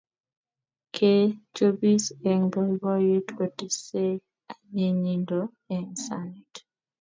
Ke chopis eng boiboiyet kotesei anyinyindo eng sanit